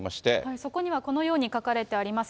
そこには、このように書かれてあります。